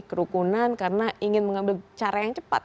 kerukunan karena ingin mengambil cara yang cepat